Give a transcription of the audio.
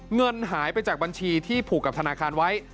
เงินหายไปจากบัญชีที่ผูกกับธนาคารไว้